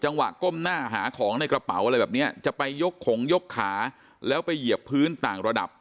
ก้มหน้าหาของในกระเป๋าอะไรแบบเนี้ยจะไปยกขงยกขาแล้วไปเหยียบพื้นต่างระดับ